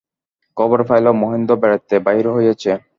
খবর পাইল, মহেন্দ্র বেড়াইতে বাহির হইয়াছে।